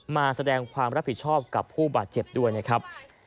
มาแสดงความรับผิดชอบกับผู้บาดเจ็บด้วยนะครับ